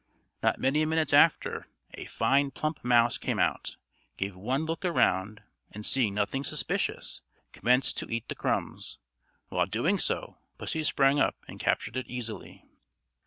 Not many minutes after, a fine plump mouse came out, gave one look round, and seeing nothing suspicious, commenced to eat the crumbs; while doing so, pussy sprang upon and captured it easily.